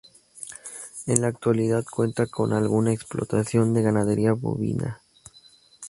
En la actualidad cuenta con alguna explotación de ganadería bovina.